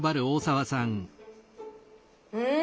うん！